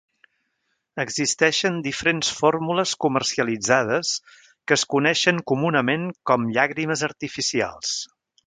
Existeixen diferents fórmules comercialitzades que es coneixen comunament com llàgrimes artificials.